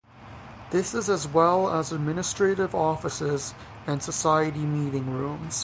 This is as well as administrative offices and society meeting rooms.